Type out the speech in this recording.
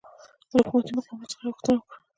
له حکومتي مقاماتو څخه یې غوښتنه وکړه